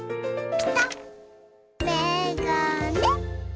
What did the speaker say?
めがね。